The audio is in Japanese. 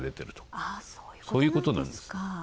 こういうことなんです。